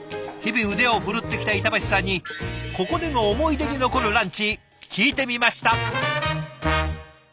日々腕を振るってきた板橋さんにここでの思い出に残るランチ聞いてみました。